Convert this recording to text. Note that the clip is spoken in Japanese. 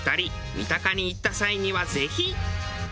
三鷹に行った際にはぜひ。